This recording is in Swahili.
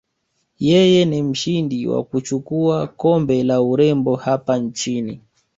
Yeye ni mshindi wa kuchukua kombe la urembo hapa nchini